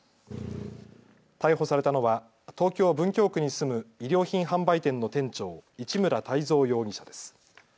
逮捕されたのは東京文京区に住む衣料品販売店の店長、市村泰三容疑者です。